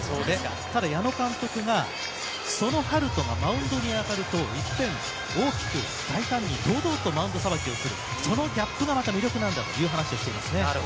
ただ矢野監督がその遥人がマウンドに上がると、１点を大きく大胆に堂々とマウンドさばきをするそのギャップが魅力なんだと話しています。